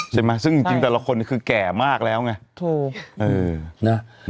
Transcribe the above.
ใช่ไหมซึ่งจริงแต่ละคนแก่มากแล้วใช่ไหม